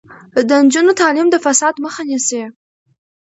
د نجونو تعلیم د فساد مخه نیسي.